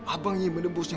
abang ingin menembusnya